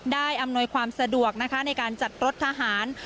ได้อำนวยความสะดวกในการจัดรถทหาร